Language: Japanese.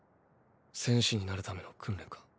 戦士になるための訓練か？